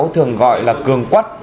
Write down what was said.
thường gọi là cường quắt